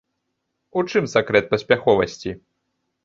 У чым сакрэт паспяховасці?